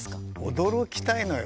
驚きたいのよ。